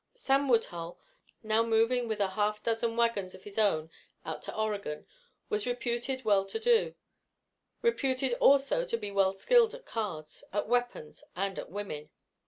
Sam Woodhull, now moving with a half dozen wagons of his own out to Oregon, was reputed well to do; reputed also to be well skilled at cards, at weapons and at women.